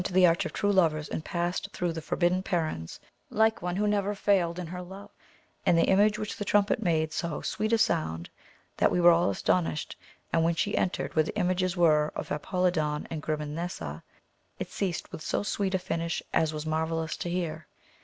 123 the Arch of Trae Lovers and passed through the Forbidden Perrons like one who had never failed in her love, and the image with the trumpet made so sweet a sound that we were all astonished, and when she entered where the images were of Apolidon and Grimanesa, it ceased with so sweet a finish as was marvellous to hear.